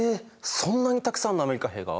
そんなにたくさんのアメリカ兵が！？